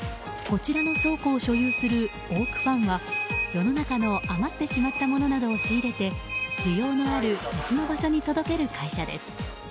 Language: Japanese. こちらの倉庫を所有するオークファンは世の中の余ってしまったものなどを仕入れて需要のある別の場所に届ける会社です。